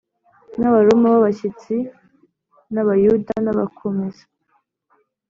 n Abaroma b abashyitsi n Abayuda n abakomeza